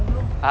ini buat lo